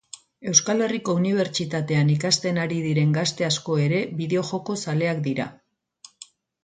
Euskal Herriko Unibertsitatean ikasten ari diren gazte asko ere bideojoko zaleak dira